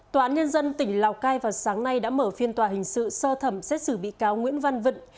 tòa án nhân dân tỉnh lào cai vào sáng nay đã mở phiên tòa hình sự sơ thẩm xét xử bị cáo nguyễn văn vận